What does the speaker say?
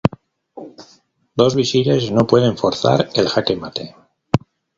Dos visires no pueden forzar el jaque mate.